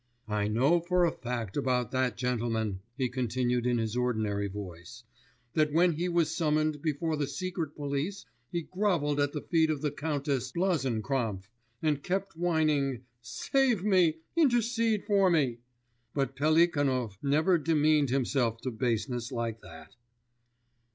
'I know for a fact about that gentleman,' he continued in his ordinary voice, 'that when he was summoned before the secret police, he grovelled at the feet of the Countess Blazenkrampff and kept whining, "Save me, intercede for me!" But Pelikanov never demeaned himself to baseness like that.